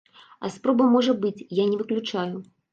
А спроба можа быць, я не выключаю.